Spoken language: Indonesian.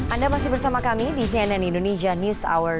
anda masih bersama kami di cnn indonesia news hour